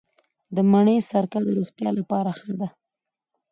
د مڼې سرکه د روغتیا لپاره ښه ده.